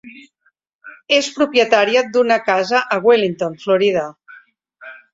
És propietària d'una casa a Wellington, Florida.